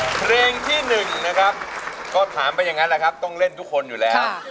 เพลงที่๑นะครับก็ถามไปอย่างนั้นแหละครับต้องเล่นทุกคนอยู่แล้ว